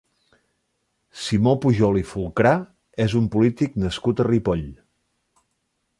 Simó Pujol i Folcrà és un polític nascut a Ripoll.